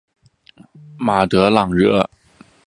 马德朗热。